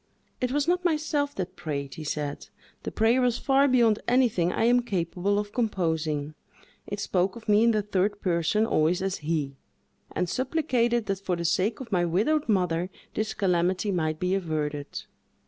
"It was not myself that prayed," he said, "the prayer was far beyond anything I am capable of composing—it spoke of me in the third person, always as he; and supplicated that for the sake of my widowed mother this calamity might be averted.